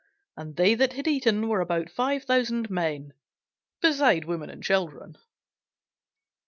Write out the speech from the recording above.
And they that had eaten were about five thousand men, beside women and children.